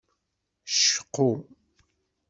Cqu.